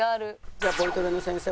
じゃあボイトレの先生